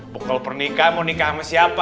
bekal pernikahan mau nikah sama siapa